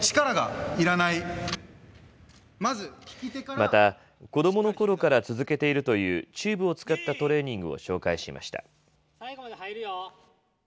また、子どものころから続けているという、チューブを使ったトレーニングを紹介しました。